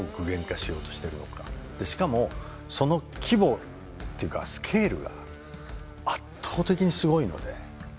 しかもその規模っていうかスケールが圧倒的にすごいので。